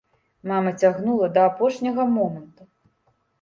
Мама цягнула да апошняга моманту.